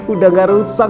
udah gak rusak